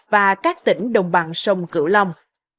và các tỉnh đồng bằng sông cửu long